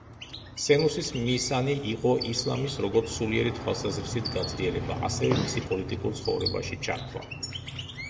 სენუსის მისანი იყო ისლამის როგორც სულიერი თვალსაზრისით გაძლიერება ასევე მისი პოლიტიკურ ცხოვრებაში ჩართვა.